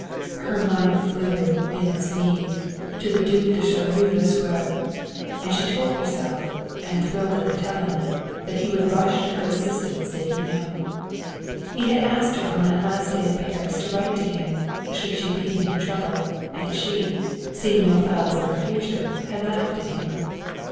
Her mind flew, in its need, to the Duc de Choleaux Lasuer, and she told herself, and thrilled at the telling, that he would rush to her assistance did he know. He had asked her on that last day in Paris to write to him, should she be in any trouble, and she, seeing no clouds in her future, had laughed at him.